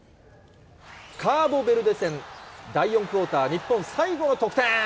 カーボベルデ戦、第４クオーター、日本最後の得点。